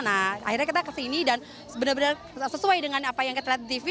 nah akhirnya kita kesini dan benar benar sesuai dengan apa yang kita lihat di tv